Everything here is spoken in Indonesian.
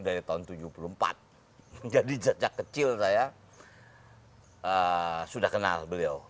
dari tahun seribu sembilan ratus tujuh puluh empat menjadi sejak kecil saya sudah kenal beliau